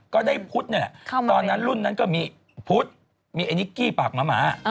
ก็ได้พุทธนี่แหละตอนนั้นรุ่นนั้นก็มีพุทธมีไอ้นิกกี้ปากหมา